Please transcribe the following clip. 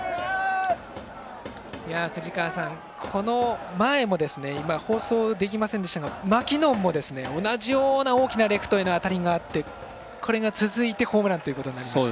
藤川さん、この前も今、放送できませんでしたがマキノンも同じような大きなレフトへの当たりがあってこれが続いてホームランとなりました。